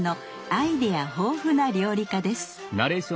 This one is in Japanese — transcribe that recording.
アイデア豊富な料理家です。